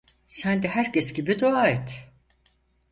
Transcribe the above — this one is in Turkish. Sen de herkes gibi dua et…